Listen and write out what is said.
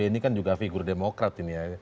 ini kan juga figur demokrat ini ya